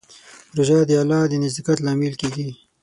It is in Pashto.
روژه د الله د نزدېکت لامل کېږي.